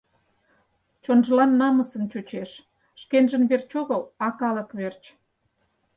— Чонжылан намысын чучеш, шкенжын верч огыл, а калык верч.